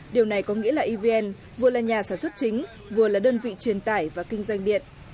điều này có nghĩa là evn vừa là nhà sản xuất chính vừa là đơn vị truyền tải và kinh doanh điện